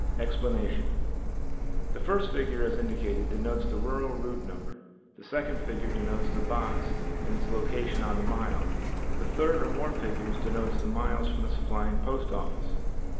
Explanation: The first figure as indicated denotes the rural route number, the second figure denotes the box and its location on the mile, the third or more figures denotes the miles from the supplying post office.